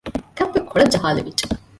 ކަންފަތް ކޮޅަށް ޖަހައިލެވިއްޖެ